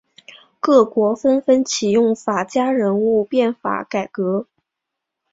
各国纷纷启用法家人物变法改革。